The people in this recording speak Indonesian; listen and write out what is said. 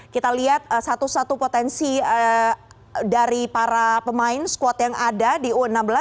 kita lihat satu satu potensi dari para pemain squad yang ada di u enam belas